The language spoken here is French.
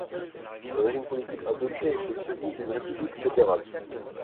Le régime politique adopté est celui d'une république fédérale.